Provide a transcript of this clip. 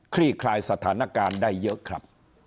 ลี่คลายสถานการณ์ได้เยอะครับ